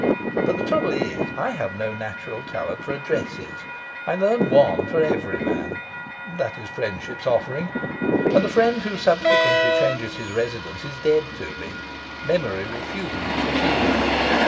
But the trouble is I have no natural talent for addresses; I learn one for every man that is friendship's offering; and the friend who subsequently changes his residence is dead to me, memory refusing to pursue him.